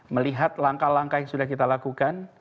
melihat langkah langkah yang sudah kita lakukan